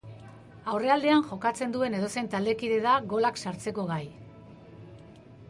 Aurrealdean jokatzen duen edozein taldekide da golak sartzeko gai.